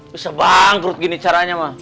bisa bangkrut gini caranya